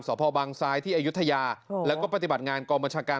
สพบังซ้ายที่อายุทยาแล้วก็ปฏิบัติงานกองบัญชาการ